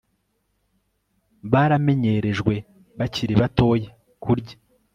baramenyerejwe bakiri batoya kurya